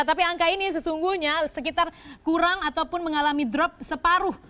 tapi angka ini sesungguhnya sekitar kurang ataupun mengalami drop separuh